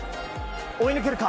追い抜けるか。